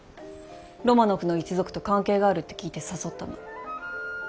ロマノフの一族と関係があるって聞いて誘ったの。